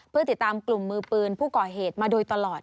เพื่อติดตามกลุ่มมือปืนผู้ก่อเหตุมาโดยตลอด